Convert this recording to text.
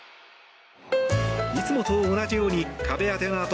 いつもと同じように壁当てのあと